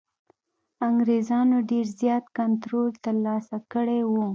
انګرېزانو ډېر زیات کنټرول ترلاسه کړی وو.